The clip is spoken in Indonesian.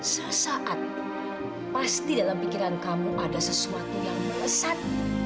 sesaat pasti dalam pikiran kamu ada sesuatu yang melesat